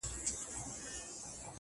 • مګر که د پیغام له اړخه ورته وکتل سي ,